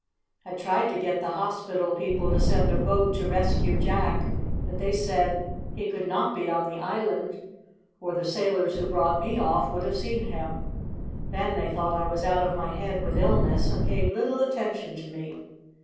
"I tried to get the hospital people to send a boat to rescue Jack; but they said he could not be on the island, or the sailors who brought me off would have seen him. Then they thought I was out of my head with illness, and paid little attention to me.